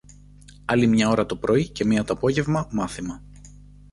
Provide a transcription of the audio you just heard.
Άλλη μια ώρα το πρωί και μια το απόγεμα, μάθημα.